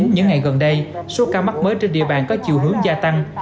những ngày gần đây số ca mắc mới trên địa bàn có chiều hướng gia tăng